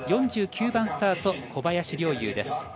４９番スタート、小林陵侑です。